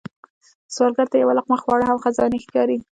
سوالګر ته یو لقمه خواړه هم خزانې ښکاري